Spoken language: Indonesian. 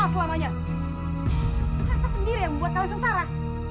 rasa sendiri yang membuat kalian sengsara